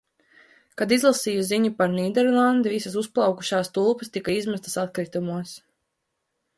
Kad izlasīju ziņu par Nīderlandi – visas uzplaukušās tulpes tika izmestas atkritumos.